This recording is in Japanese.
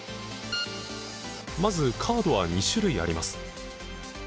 まずカードは２種類あります。